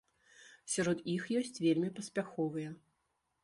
Сярод іх ёсць вельмі паспяховыя.